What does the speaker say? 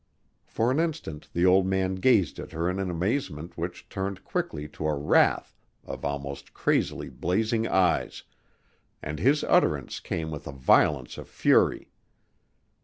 For an instant the old man gazed at her in an amazement which turned quickly to a wrath of almost crazily blazing eyes, and his utterance came with a violence of fury.